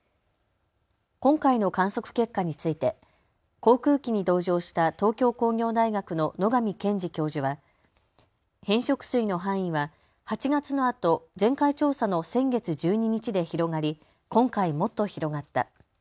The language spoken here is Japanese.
今回の観測結果について航空機に同乗した東京工業大学の野上健治教授は変色水の範囲は８月のあと前回調査の先月１２日で広がり今回、もっと広がった。